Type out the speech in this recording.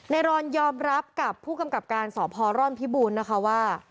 รอนยอมรับกับผู้กำกับการสพร่อนพิบูรณ์นะคะว่า